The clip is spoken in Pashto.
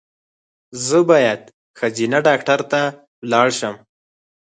زه باید ښځېنه ډاکټر ته ولاړ شم